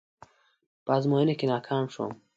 په ازموينه کې ناکام شوم.